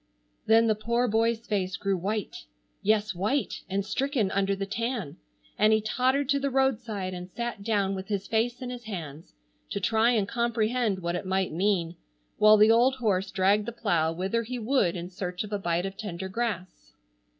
Then the poor boy's face grew white, yes, white and stricken under the tan, and he tottered to the roadside and sat down with his face in his hands to try and comprehend what it might mean, while the old horse dragged the plow whither he would in search of a bite of tender grass.